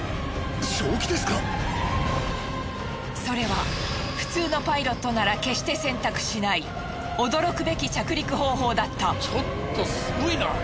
それは普通のパイロットなら決して選択しない驚くべき着陸方法だった。